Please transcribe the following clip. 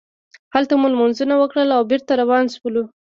هلته مو لمونځونه وکړل او بېرته روان شولو.